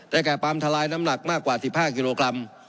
แก่ปั๊มทลายน้ำหนักมากกว่า๑๕กิโลกรัม